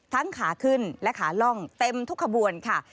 ขาขึ้นและขาล่องเต็มทุกขบวนค่ะ